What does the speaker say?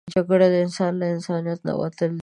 جګړه د انسان له انسانیت نه وتل دي